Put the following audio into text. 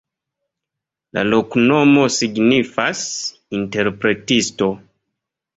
La loknomo signifas: interpretisto.